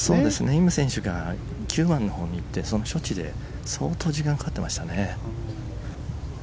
イム選手が９番のほうに行ってその処置で相当時間がかかってましたね。